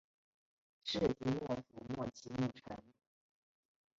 室町幕府末期幕臣。